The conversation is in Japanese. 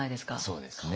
そうですね。